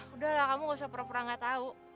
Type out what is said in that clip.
udah lah kamu gak usah pura pura gak tau